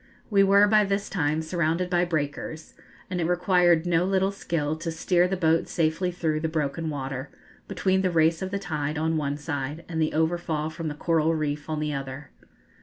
We were by this time surrounded by breakers, and it required no little skill to steer the boat safely through the broken water, between the race of the tide on one side, and the overfall from the coral reef on the other.